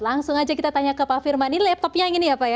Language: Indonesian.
langsung aja kita tanya ke pak firman ini laptopnya ini ya pak ya